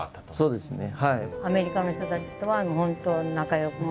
そうですね。